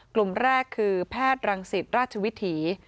กลุ่มแรกคือแพทย์รังสิตราชวิถี